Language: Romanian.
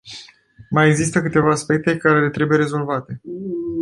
Mai există câteva aspecte care trebuie rezolvate.